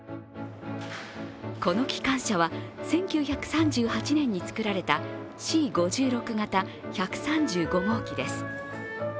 この機関車は１９３８年に作られたＣ５６形１３５号機です。